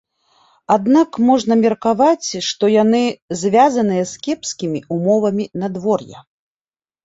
Аднак можна меркаваць, што яны звязаныя з кепскімі ўмовамі надвор'я.